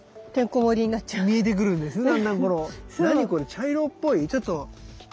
茶色っぽいちょっと。